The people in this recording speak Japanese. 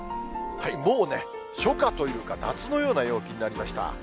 もうね、初夏というか、夏のような陽気になりました。